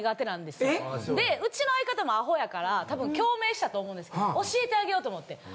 でうちの相方もアホやから多分共鳴したと思うんですけど教えてあげようと思って。